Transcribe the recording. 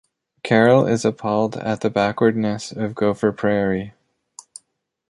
Carol is appalled at the backwardness of Gopher Prairie.